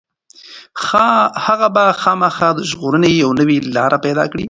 هغه به خامخا د ژغورنې یوه نوې لاره پيدا کړي.